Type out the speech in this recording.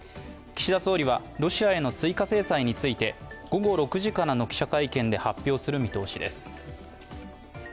岸田総理はロシアへの追加制裁について午後６時からの記者会見で発表する見通しです。